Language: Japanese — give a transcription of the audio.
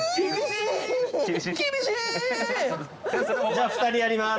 じゃあ２人やります。